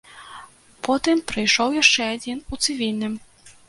Потым прыйшоў яшчэ адзін у цывільным.